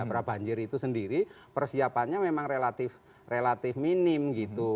prabanjir itu sendiri persiapannya memang relatif minim gitu